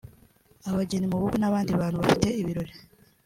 abageni mu bukwe n’abandi bantu bafite ibirori